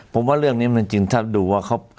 ผมว่าเรื่องนี้มันจริงถ้าดูว่าเขา